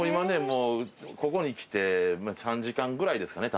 もうここに来て３時間ぐらいですかね